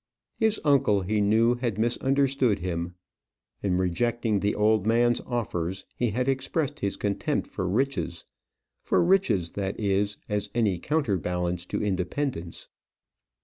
His uncle, he knew, had misunderstood him. In rejecting the old man's offers, he had expressed his contempt for riches for riches, that is, as any counterbalance to independence.